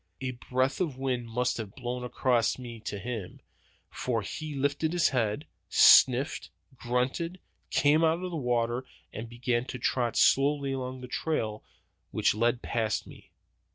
A breath of wind must have blown across me to him, for he lifted his head, sniffed, grunted, came out of the water, and began to trot slowly along the trail which led past me.